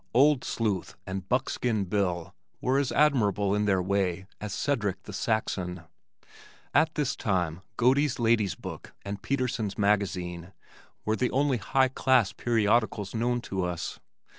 "Old Sleuth" and "Buckskin Bill" were as admirable in their way as "Cedric the Saxon." At this time Godey's Ladies Book and Peterson's Magazine were the only high class periodicals known to us.